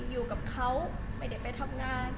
อยู่กับเขาไปเด็ดไปทำงาน